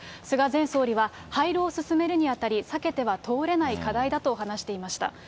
菅前総理は、廃炉を進めるにあたり、避けては通れない課題だと話していました。